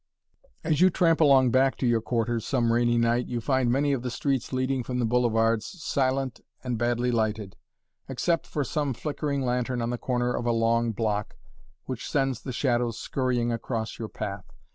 As you tramp along back to your quarters some rainy night you find many of the streets leading from the boulevards silent and badly lighted, except for some flickering lantern on the corner of a long block which sends the shadows scurrying across your path.